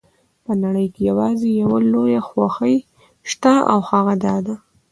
په نړۍ کې یوازې یوه لویه خوښي شته او هغه دا ده.